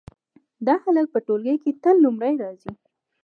دا هلک په ټولګي کې تل لومړی راځي